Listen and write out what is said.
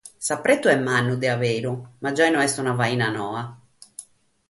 S’apretu est mannu de a beru, ma giai no est una faina noa.